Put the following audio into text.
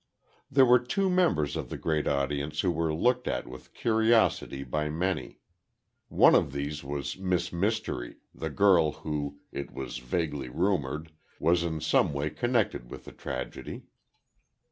There were two members of the great audience who were looked at with curiosity by many. One of these was Miss Mystery, the girl who, it was vaguely rumored was in some way connected with the tragedy.